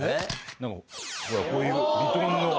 ほらこういうヴィトンの。